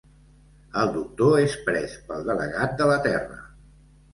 El Doctor és pres pel delegat de la Terra.